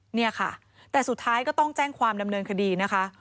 เนี่ยค่ะแต่สุดท้ายก็ต้องแจ้งความดำเนินคดีนะคะ